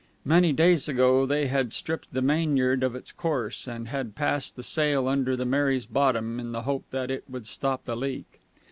Many days ago they had stripped the mainyard of its course, and had passed the sail under the Mary's bottom, in the hope that it would stop the leak.